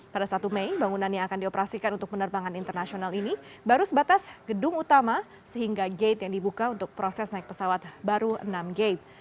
pada satu mei bangunan yang akan dioperasikan untuk penerbangan internasional ini baru sebatas gedung utama sehingga gate yang dibuka untuk proses naik pesawat baru enam gate